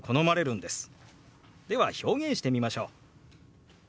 では表現してみましょう。